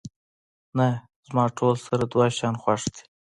نه، زما ټول سره دوه شیان خوښ دي.